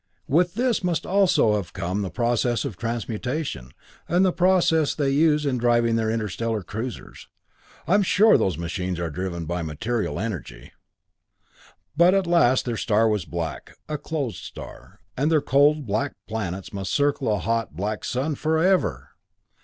"With this must also have come the process of transmutation, and the process they use in driving their interstellar cruisers. I am sure those machines are driven by material energy. "But at last their star was black, a closed star, and their cold, black planets must circle a hot, black sun forever!